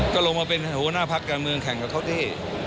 ก็ลงมาเป็นหัวหน้าพักการเมืองแข่งกับเขาที่